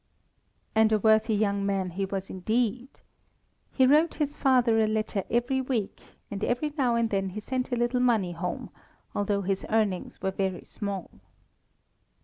And a worthy young man he was indeed. He wrote his father a letter every week, and every now and then he sent a little money home, although his earnings were very small.